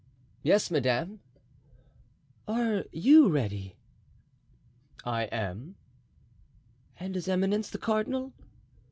"Yes, madame." "Are you ready?" "I am." "And his eminence, the cardinal?"